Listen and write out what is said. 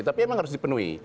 tapi memang harus dipenuhi